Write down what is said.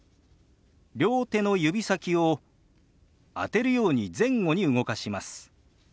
両手の指先を当てるように前後に動かします。